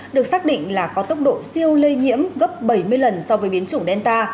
được xác định là có tốc độ siêu lây nhiễm gấp bảy mươi lần so với biến chủng delta